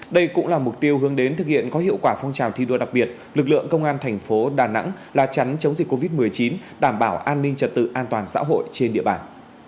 đây cũng là mục tiêu hướng đến thực hiện có hiệu quả phong trào thi đua đặc biệt lực lượng công an thành phố đà nẵng la chắn chống dịch covid một mươi chín đảm bảo an ninh trật tự an toàn xã hội trên địa bàn